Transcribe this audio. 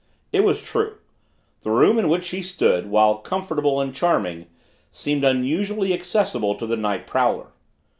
It was true. The room in which she stood, while comfortable and charming, seemed unusually accessible to the night prowler.